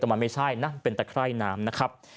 แต่มันไม่ใช่นะเป็นตะไคร่น้ำนะครับ